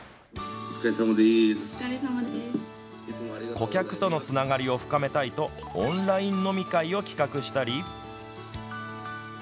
顧客とのつながりを深めたいとオンライン飲み会を企画したり。